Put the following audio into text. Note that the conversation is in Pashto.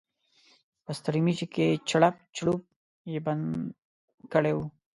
په ستړيمشې کې چړپ چړوپ یې بند کړی و.